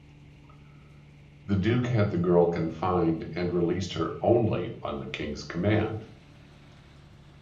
The duke had the girl confined, and released her only on the king's command.